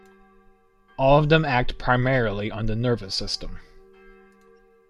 All of them act primarily on the nervous system.